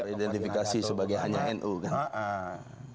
identifikasi sebagai hanya nu kan